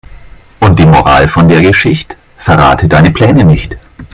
Und die Moral von der Geschicht': Verrate deine Pläne nicht.